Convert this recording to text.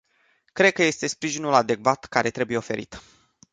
Cred că este sprijinul adecvat care trebuie oferit.